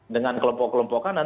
dengan kelompok kelompok kanan